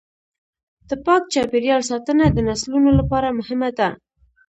د پاک چاپیریال ساتنه د نسلونو لپاره مهمه ده.